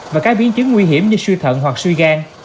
và các biến chứng nguy hiểm như suy thận hoặc suy gan